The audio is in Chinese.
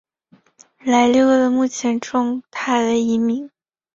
莱利鳄的目前状态为疑名。